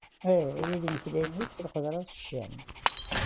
Ula d imesllayen-is s leqder d ccan.